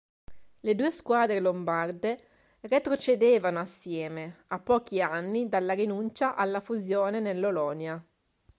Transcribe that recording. Le due squadre lombarde retrocedevano assieme, a pochi anni dalla rinuncia alla fusione nell'Olonia.